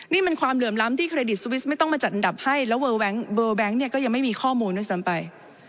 นี่มันความเหลื่อมล้ำที่เครดิตสวิสไม่ต้องมาจัดอันดับให้แล้วเวอร์แบงค์เนี่ยก็ยังไม่มีข้อมูลด้วยซ้ำไป